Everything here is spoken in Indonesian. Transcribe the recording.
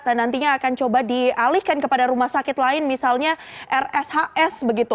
dan nantinya akan coba dialihkan kepada rumah sakit lain misalnya rshs